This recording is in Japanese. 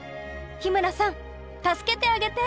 日村さん助けてあげて！